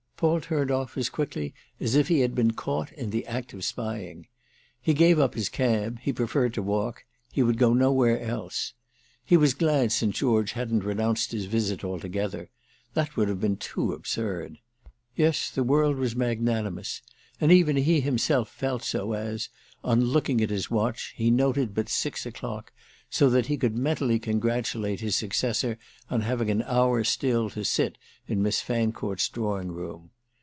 Paul turned off as quickly as if he had been caught in the act of spying. He gave up his cab—he preferred to walk; he would go nowhere else. He was glad St. George hadn't renounced his visit altogether—that would have been too absurd. Yes, the world was magnanimous, and even he himself felt so as, on looking at his watch, he noted but six o'clock, so that he could mentally congratulate his successor on having an hour still to sit in Miss Fancourt's drawing room.